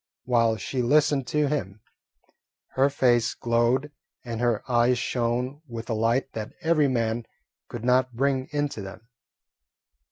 While she listened to him, her face glowed and her eyes shone with a light that every man could not bring into them.